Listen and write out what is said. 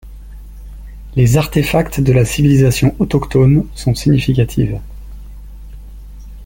Les artefacts de la civilisation autochtone sont significatives.